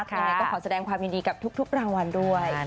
ขอแสดงความยินดีกับทุกทุกรางวัลด้วย